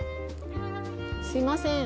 すいません。